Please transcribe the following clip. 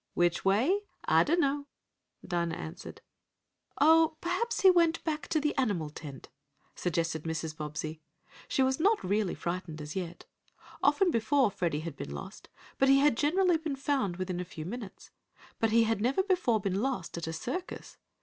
"Which way? I dunno," Dinah answered. "Oh, perhaps he went back to the animal tent," suggested Mrs. Bobbsey. She was not really frightened as yet. Often before Freddie had been lost, but he had generally been found within a few minutes. But he had never before been lost at a circus.